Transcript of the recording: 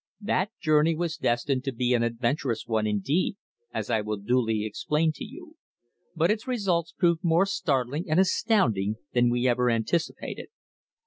That journey was destined to be an adventurous one indeed, as I will duly explain to you, but its results proved more startling and astounding than we ever anticipated.